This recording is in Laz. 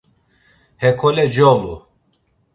Hekole colu.